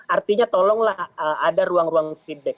artinya tolonglah ada ruang ruang feedback